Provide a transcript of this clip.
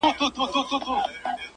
چي و شمي د آدب ته پنګان سي-